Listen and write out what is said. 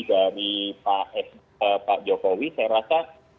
dari pak jokowi saya rasa